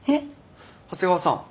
長谷川さん